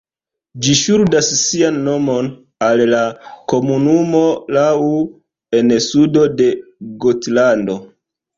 Ĝi ŝuldas sian nomon al la komunumo Lau en sudo de Gotlando.